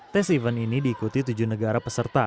tes event ini diikuti tujuh negara peserta